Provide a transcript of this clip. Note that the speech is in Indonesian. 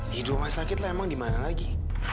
di rumah sakit lah emang di mana lagi